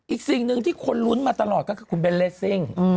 สิ่งหนึ่งที่คนลุ้นมาตลอดก็คือคุณเบนเลสซิ่ง